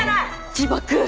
自爆！